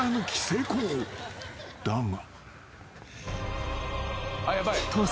［だが］